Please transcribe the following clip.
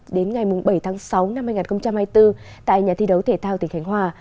đến ngày bảy tháng sáu năm hai nghìn hai mươi bốn tại nhà thi đấu thể thao tỉnh khánh hòa